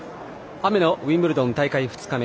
雨のウィンブルドン大会２日目。